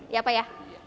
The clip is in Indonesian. ya pak ya